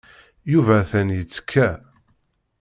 Yuba atan yettekka.